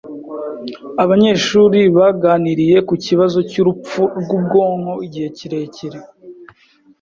Abanyeshuri baganiriye ku kibazo cyurupfu rwubwonko igihe kirekire.